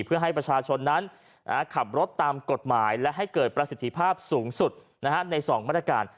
เพื่อให้ประชาชนนั้นขับรถตามกฎหมายและให้เกิดประสิทธิภาพสูงสุดใน๒มาตรการ